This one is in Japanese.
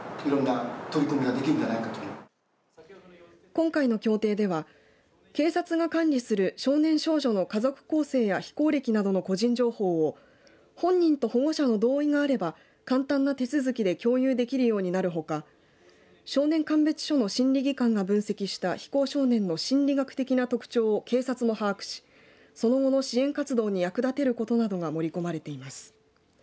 今回の協定では警察が管理する少年少女の家族構成や非行歴などの個人情報を本人と保護者の同意があれば簡単な手続きで共有できるようになるほか少年鑑別所の心理技官が分析した非行少年の心理学的な特徴を警察も把握しその後の支援活動に役立てることなどが盛り込まれています。